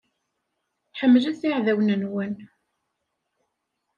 Ḥemmlet iɛdawen-nwen.